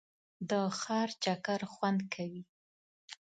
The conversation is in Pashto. د ښار چکر خوند کوي.